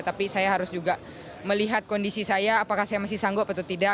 tapi saya harus juga melihat kondisi saya apakah saya masih sanggup atau tidak